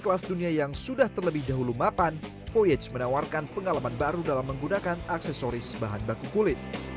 voyage menawarkan pengalaman baru dalam menggunakan aksesoris bahan baku kulit